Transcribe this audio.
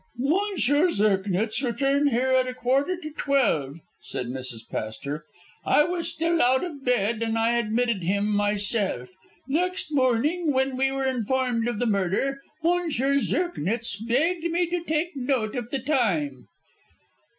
"Monsieur Zirknitz returned here at a quarter to twelve," said Mrs. Pastor. "I was still out of bed, and I admitted him myself. Next morning, when we were informed of the murder, M. Zirknitz begged me to take note of the time."